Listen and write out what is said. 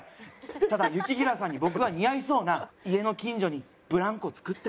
ただ雪平さんに僕は似合いそうな家の近所にブランコを作ったり。